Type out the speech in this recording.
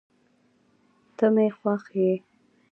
ته مي خوښ یې